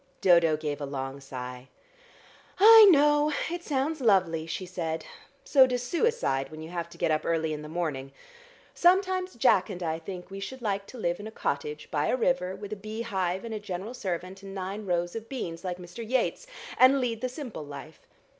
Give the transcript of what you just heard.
Dodo gave a long sigh. "I know; it sounds lovely," she said. "So does suicide when you have to get up early in the morning. Sometimes Jack and I think we should like to live in a cottage by a river with a bee hive and a general servant, and nine rows of beans like Mr. Yeats, and lead the simple life.